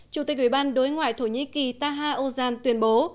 chủ tịch ub đối ngoại thổ nhĩ kỳ taha ozan tuyên bố